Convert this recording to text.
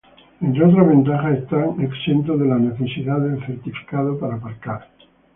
Entre otras ventajas, están exentos de la necesidad del certificado para aparcar.